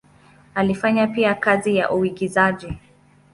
Alifanya pia kazi ya uigizaji.